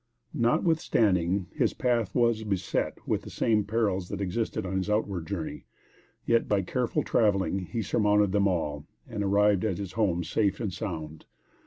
Notwithstanding his path was beset with the same perils that existed on his outward journey, yet by careful traveling he surmounted them all, and arrived at his home safe and sound.